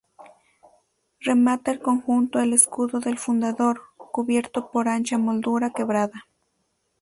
Remata el conjunto el escudo del fundador, cubierto por ancha moldura quebrada.